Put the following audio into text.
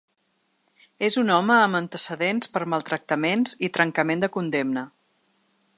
És un home amb antecedents per maltractaments i trencament de condemna.